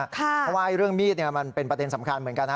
เพราะว่าเรื่องมีดมันเป็นประเด็นสำคัญเหมือนกันนะ